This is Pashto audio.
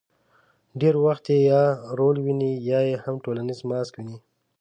ډېر وخت یې یا رول ویني، یا یې هم ټولنیز ماسک ویني.